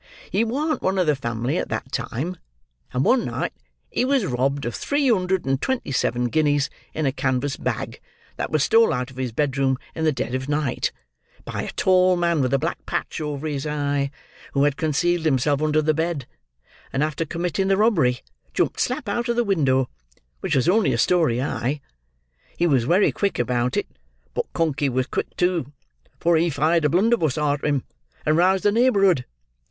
He warn't one of the family, at that time; and one night he was robbed of three hundred and twenty seven guineas in a canvas bag, that was stole out of his bedroom in the dead of night, by a tall man with a black patch over his eye, who had concealed himself under the bed, and after committing the robbery, jumped slap out of window: which was only a story high. He was wery quick about it. But Conkey was quick, too; for he fired a blunderbuss arter him, and roused the neighbourhood.